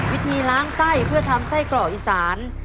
วิธีล้างไส้เพื่อทำไส้กรอกอีสาน